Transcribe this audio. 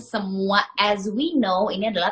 semua as we know ini adalah